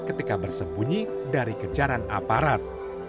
ketika bersembunyi dari kejaran aparat